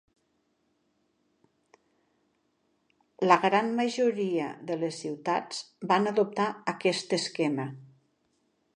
La gran majoria de les ciutats van adoptar aquest esquema.